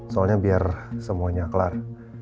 soalnya biar semuanya kelar